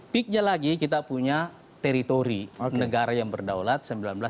peaknya lagi kita punya teritori negara yang berdaulat seribu sembilan ratus empat puluh